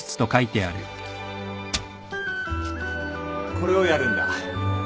これをやるんだ。